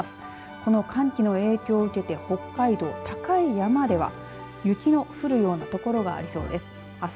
この寒気の影響を受けて北海道高い山では、雪の降るようなところがありそうです。